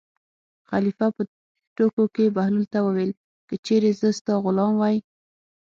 خلیفه په ټوکو کې بهلول ته وویل: که چېرې زه ستا غلام وای.